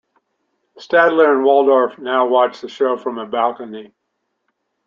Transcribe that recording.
Statler and Waldorf now watch the show from a balcony.